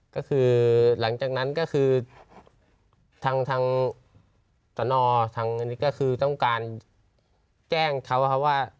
ก็คือหลังจากนั้นก็คือทางสนทางอันนี้ก็คือต้องการแจ้งเขาว่า